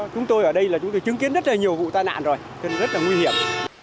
chúng tôi ở đây là chúng tôi chứng kiến rất là nhiều vụ tai nạn rồi rất là nguy hiểm